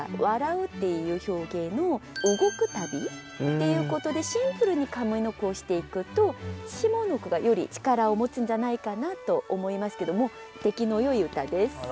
「笑う」っていう表現を「動く度」っていうことでシンプルに上の句をしていくと下の句がより力を持つんじゃないかなと思いますけども出来のよい歌です。